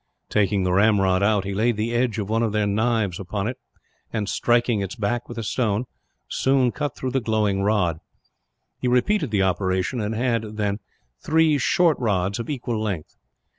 Taking the ramrod out, he laid the edge of one of their knives upon it and, striking its back with a stone, soon cut through the glowing rod. He repeated the operation and had, then, three short rods of equal length.